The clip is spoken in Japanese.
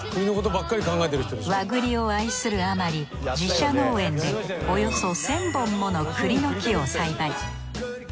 和栗を愛するあまり自社農園でおよそ１，０００本もの栗の木を栽培。